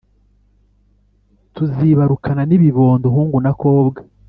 Tuzibarukana n’ibibondo hungu na kobwa